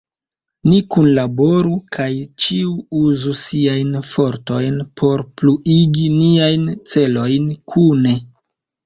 Ni kunlaboru kaj ĉiu uzu siajn fortojn por pluigi niajn celojn kune.